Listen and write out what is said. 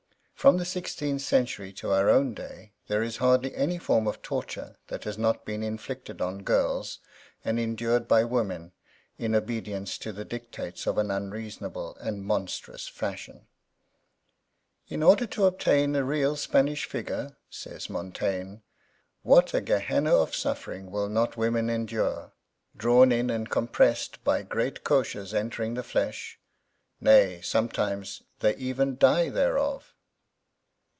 From the sixteenth century to our own day there is hardly any form of torture that has not been inflicted on girls, and endured by women, in obedience to the dictates of an unreasonable and monstrous Fashion. “In order to obtain a real Spanish figure,” says Montaigne, “what a Gehenna of suffering will not women endure, drawn in and compressed by great coches entering the flesh; nay, sometimes they even die thereof!